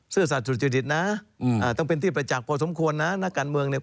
สัตสุจริตนะต้องเป็นที่ประจักษ์พอสมควรนะนักการเมืองเนี่ย